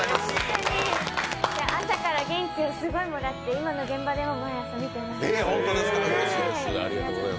朝から元気をすごいもらって、今の現場でも毎朝見てます。